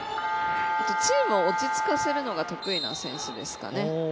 あとチームを落ち着かせるのが得意な選手ですかね。